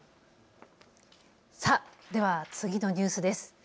では次のニュースです。